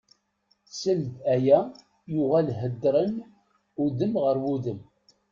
Seld aya yuɣal heddren udem ɣer udem.